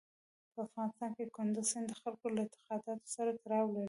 په افغانستان کې کندز سیند د خلکو له اعتقاداتو سره تړاو لري.